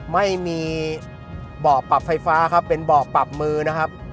ไม่มีบ่อปรับไฟฟ้าครับเป็นบ่อปรับมือนะครับ